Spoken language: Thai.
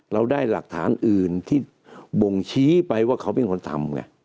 เราได้หลักฐานอื่นที่บ่งชี้ไปว่าเขาเป็นคนทำไง